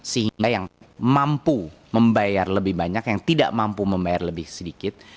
sehingga yang mampu membayar lebih banyak yang tidak mampu membayar lebih sedikit